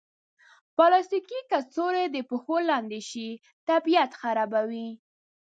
پلاستيکي کڅوړې د پښو لاندې شي، طبیعت خرابوي.